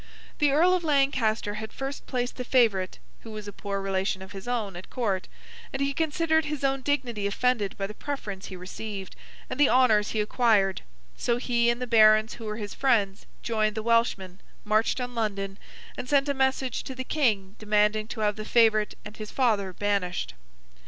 The Earl of Lancaster had first placed the favourite (who was a poor relation of his own) at Court, and he considered his own dignity offended by the preference he received and the honours he acquired; so he, and the Barons who were his friends, joined the Welshmen, marched on London, and sent a message to the King demanding to have the favourite and his father banished.